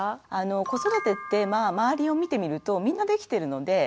子育てってまあ周りを見てみるとみんなできてるのでできて当たり前。